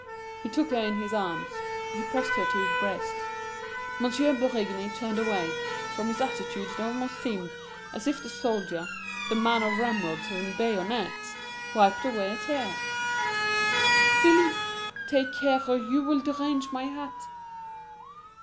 He took her in his arms. He pressed her to his breast. M. Berigny turned away. From his attitude it almost seemed as if the soldier the man of ramrods and of bayonets! wiped away a tear. "Philippe! Take care, or you will derange my hat!"